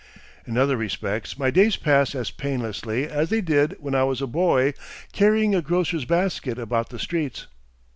In other respects my days pass as painlessly as they did when I was a boy carrying a grocer's basket about the streets.